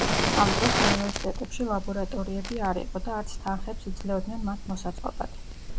ამ დროს უნივერსიტეტებში ლაბორატორიები არ იყო და არც თანხებს იძლეოდნენ მათ მოსაწყობად.